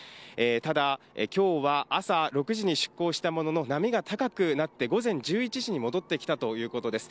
ただ、きょうは朝６時に出港したものの、波が高くなって、午前１１時に戻ってきたということです。